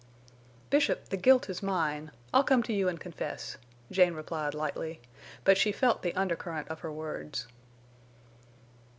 "Bishop, the guilt is mine. I'll come to you and confess," Jane replied, lightly; but she felt the undercurrent of her words.